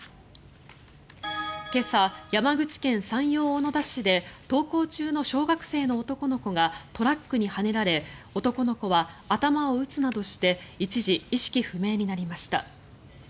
今朝、山口県山陽小野田市で登校中の小学生の男の子がトラックにはねられ男の子は頭を打つなどして一時、意識不明になりました。